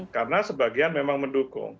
karena sebagian memang mendukung